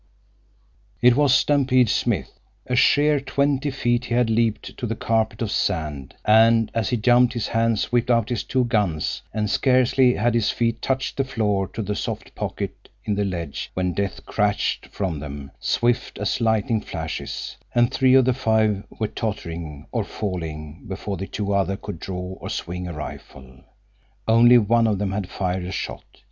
It was Stampede Smith. A sheer twenty feet he had leaped to the carpet of sand, and as he jumped his hands whipped out his two guns, and scarcely had his feet touched the floor of the soft pocket in the ledge when death crashed from them swift as lightning flashes, and three of the five were tottering or falling before the other two could draw or swing a rifle. Only one of them had fired a shot.